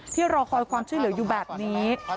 รอคอยความช่วยเหลืออยู่แบบนี้